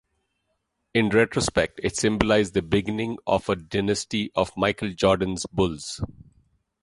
In retrospect, it symbolized the beginning of a dynasty of Michael Jordan's Bulls.